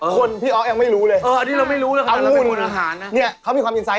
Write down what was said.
คนพี่อ๊อกเองไม่รู้เลยเอ้าอย่างนี้นี่เค้ามีความเข้าเป็นเอกชัน